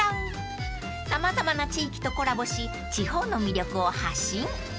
［様々な地域とコラボし地方の魅力を発信］